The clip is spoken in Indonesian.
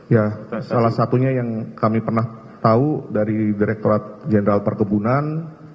ya salah satunya yang kami pernah tahu dari direkturat jenderal perkebunan